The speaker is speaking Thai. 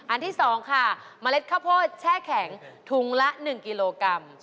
ที่๒ค่ะเมล็ดข้าวโพดแช่แข็งถุงละ๑กิโลกรัม